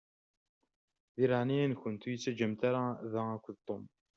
Di leɛnaya-nkent ur yi-ttaǧǧamt ara da akked Tom.